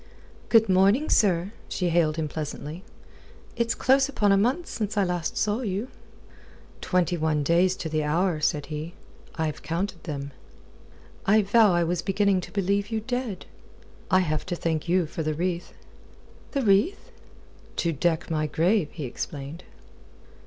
"Good morning, sir," she hailed him pleasantly. "It's close upon a month since last I saw you." "Twenty one days to the hour," said he. "I've counted them." "I vow I was beginning to believe you dead." "I have to thank you for the wreath." "The wreath?" "To deck my grave," he explained.